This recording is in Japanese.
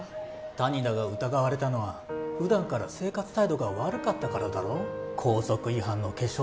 谷田が疑われたのは普段から生活態度が悪かったからだろう校則違反の化粧